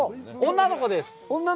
女の子です。